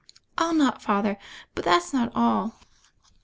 "I'll not, Father; but that's not all.